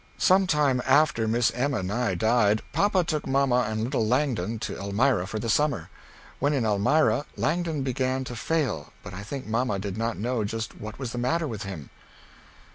Some time after Miss Emma Nigh died papa took mamma and little Langdon to Elmira for the summer. When in Elmira Langdon began to fail but I think mamma did not know just what was the matter with him.